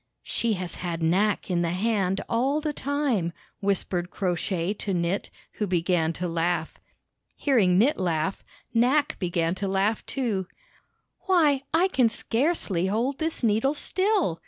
"She has had Knack in the hand all the time/' whispered Crow Shay to Knit, who began to laugh. Hearing Knit laugh, Knack began to laugh, too. "Why, I can scarcely hold this needle still!"